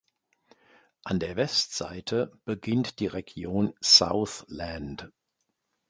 An der Westseite beginnt die Region Southland.